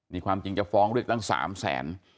นี่ความจริงจะฟ้องเลือกทั้ง๓๐๐๐๐๐บาท